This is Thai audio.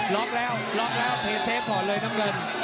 ล็อกแล้วล็อกแล้วเทเซฟก่อนเลยน้ำเงิน